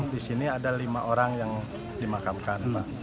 di sini ada lima orang yang dimakamkan